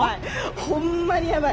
ほんまにヤバい。